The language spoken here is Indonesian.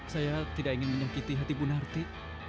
saya tidak ingin menyakiti hati bu narti